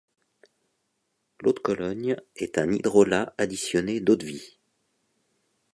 L'eau de Cologne est un hydrolat additionné d'eau-de-vie.